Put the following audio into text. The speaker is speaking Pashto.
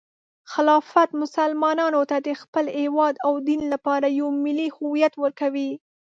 خلافت مسلمانانو ته د خپل هیواد او دین لپاره یو ملي هویت ورکوي.